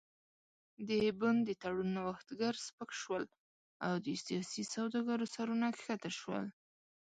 د بن د تړون نوښتګر سپک شول او د سیاسي سوداګرو سرونه ښکته شول.